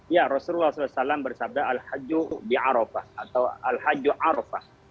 ya rasulullah saw bersabda al haju di arafah atau al haju arafah